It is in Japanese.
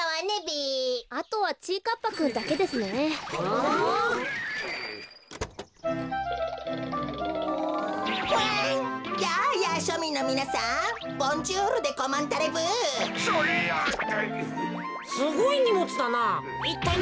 すごいにもつだな。